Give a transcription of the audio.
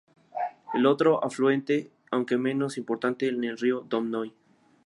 El otro afluente, aunque menos importante, es el río Dom Noi.